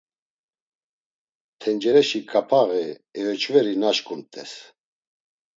Tencereşi ǩapaği eyoçveri naşǩumt̆es.